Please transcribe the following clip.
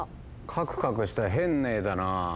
カクカクした変な絵だな。